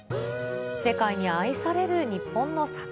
世界に愛される日本の桜。